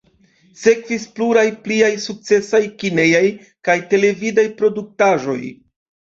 Sekvis pluraj pliaj sukcesaj kinejaj kaj televidaj produktaĵoj.